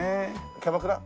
キャバクラ？